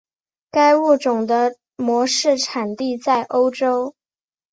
该物种的模式产地在欧洲。